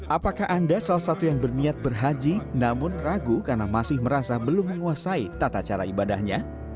apakah anda salah satu yang berniat berhaji namun ragu karena masih merasa belum menguasai tata cara ibadahnya